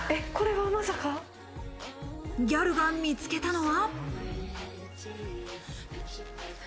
ギャルが見つけたのは。